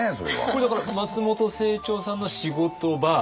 これだから松本清張さんの仕事場。